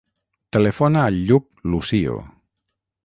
Telefona al Lluc Lucio.